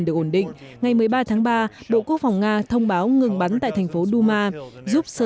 được ổn định ngày một mươi ba tháng ba bộ quốc phòng nga thông báo ngừng bắn tại thành phố duma giúp sở